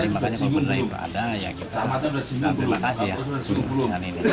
makanya kalau ada ya kita terima kasih ya dengan ini